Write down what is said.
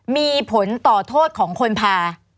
มีผลต่อโทษของคนพา